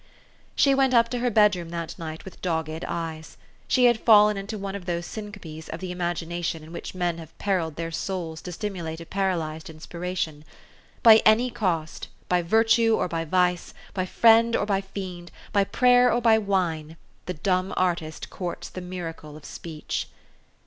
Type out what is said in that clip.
She went up to her bedroom that night with dog ged eyes. She had fallen into one of these syn copes of the imagination in which men have periled their souls to stimulate a paralyzed inspiration. By any cost " by virtue or by vice, by friend or by fiend, by prayer or by wine" the dumb artist courts the miracle of speech.